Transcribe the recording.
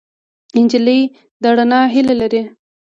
نجلۍ د رڼا هیلې لري.